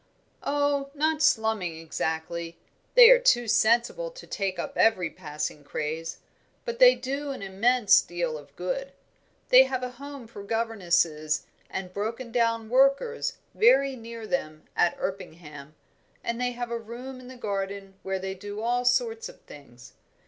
"Oh, not slumming exactly they are too sensible to take up every passing craze; but they do an immense deal of good. They have a Home for governesses and broken down workers very near them at Erpingham, and they have a room in the garden where they do all sorts of things.